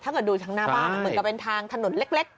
ถ้าเกิดดูทางหน้าบ้านมันเหมือนกับเป็นทางถนนเล็ก